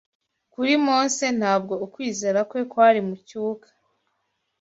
Kuri Mose, ntabwo ukwizera kwe kwari mu cyuka